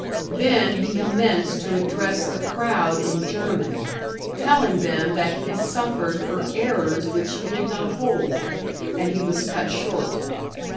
Then he commenced to address the crowd in German, telling them that he suffered for errors which he did not hold, and he was cut short.